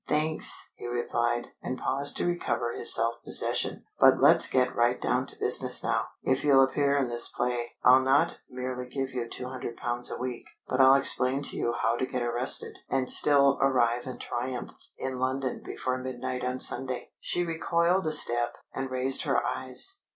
"Thanks!" he replied, and paused to recover his self possession. "But let's get right down to business now. If you'll appear in this play, I'll not merely give you two hundred pounds a week, but I'll explain to you how to get arrested and still arrive in triumph in London before midnight on Sunday." She recoiled a step, and raised her eyes.